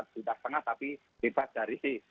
empat juta setengah tapi bebas dari sih